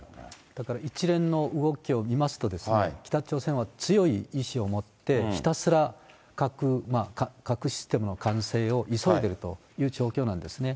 だから一連の動きを見ますと、北朝鮮は強い意志を持ってひたすら核システムの完成を急いでるという状況なんですね。